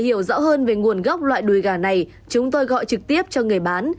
hiểu rõ hơn về nguồn gốc loại đùi gà này chúng tôi gọi trực tiếp cho người bán